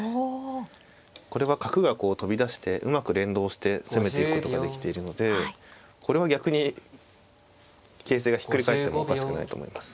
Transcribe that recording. これは角がこう飛び出してうまく連動して攻めていくことができているのでこれは逆に形勢がひっくり返ってもおかしくないと思います。